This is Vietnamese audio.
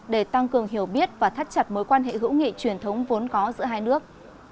để tăng cường hiểu biết và thắt chặt mối quan hệ hữu nghị truyền thống vốn có giữa hai nước